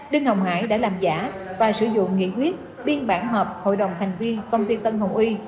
đinh ngọc hải đã làm giả và sử dụng nghị quyết biên bản họp hội đồng thành viên công ty tân hồng uy